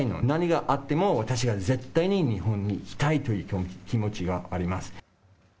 何があっても私は絶対に日本に来たいという気持ちがあります。